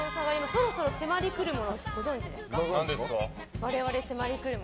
そろそろ迫りくるものご存知ですか。